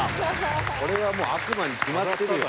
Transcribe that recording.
これはもう悪魔に決まってるよ。